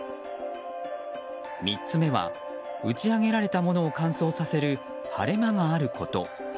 ３つ目は打ち上げられたものを乾燥させる晴れ間があること。